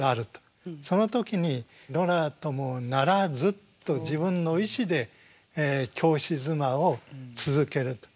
その時に「ノラともならず」と自分の意志で教師妻を続けると。